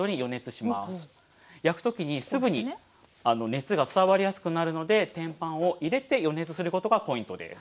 熱が伝わりやすくなるので天板を入れて予熱することがポイントです。